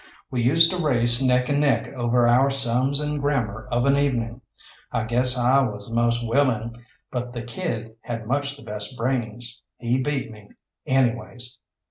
We used to race neck and neck over our sums and grammar of an evening. I guess I was the most willing, but the kid had much the best brains. He beat me anyways.